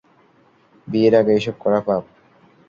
বিয়ের আগে এসব করা পাপ।